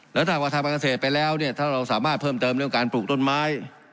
แล้วถ้าว่าทำการเกษตรไปแล้วเนี่ยถ้าเราสามารถเพิ่มเติมเรื่องการปลูกต้นไม้